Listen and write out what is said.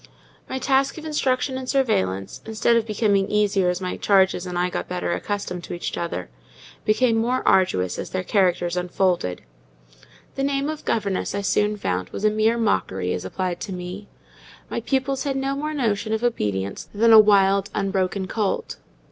My task of instruction and surveillance, instead of becoming easier as my charges and I got better accustomed to each other, became more arduous as their characters unfolded. The name of governess, I soon found, was a mere mockery as applied to me: my pupils had no more notion of obedience than a wild, unbroken colt.